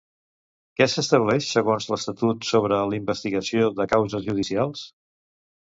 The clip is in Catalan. Què s'estableix segons l'estatut sobre la investigació de causes judicials?